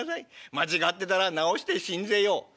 間違ってたら直してしんぜよう」。